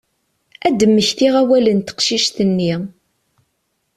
Ad d-mmektiɣ awal n teqcict-nni.